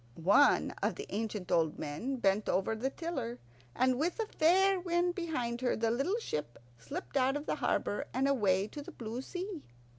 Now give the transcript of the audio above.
One of the ancient old men bent over the tiller, and, with a fair wind behind her, the little ship slipped out of the harbour and away to the blue sea.